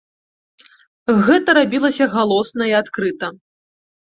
Гэта рабілася галосна і адкрыта.